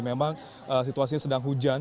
memang situasinya sedang hujan